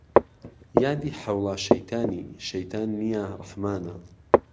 یادی حەوڵا شەیتانی شەیتان نیە ڕەحمانە